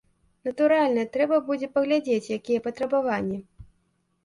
Натуральна, трэба будзе паглядзець, якія патрабаванні.